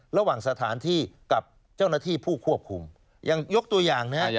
ระหว่างสถานที่กับเจ้าหน้าที่ผู้ควบคุมยังยกตัวอย่างนะครับ